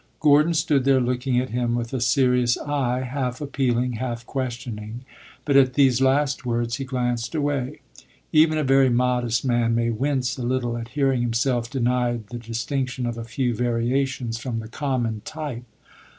Gordon stood there looking at him with a serious eye, half appealing, half questioning; but at these last words he glanced away. Even a very modest man may wince a little at hearing himself denied the distinction of a few variations from the common type.